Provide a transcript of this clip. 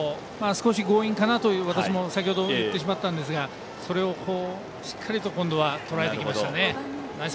少し強引かなと、私も先程、言ってしまったんですがそれをしっかりと今度はとらえてきました。